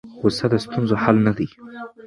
غوسه د ستونزو حل نه دی.